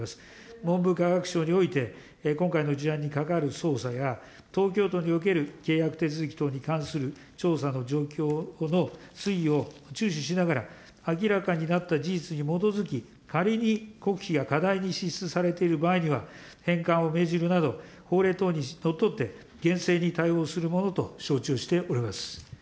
文部科学省において、今回の事案に関わる捜査や、東京都における契約手続き等に関する調査の状況の推移を注視しながら、明らかになった事実に基づき、仮に国費が過大に支出されている場合には、返還を命じるなど、法令等にのっとって厳正に対応するものと承知をしております。